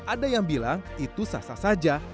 ada yang bilang itu sasa saja